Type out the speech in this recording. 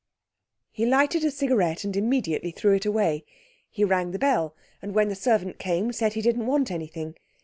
He lighted a cigarette and immediately threw it away. He rang the bell, and when the servant came, said he didn't want anything.